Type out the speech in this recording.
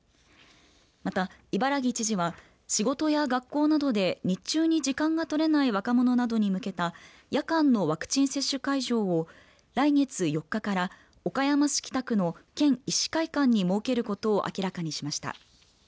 また、伊原木知事は仕事や学校などで日中に時間が取れない若者などに向けた夜間のワクチン接種会場を来月４日から、岡山市北区の県医師会館に設けることを明らかにしました。